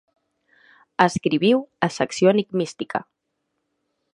Escriviu a Secció Enigmística.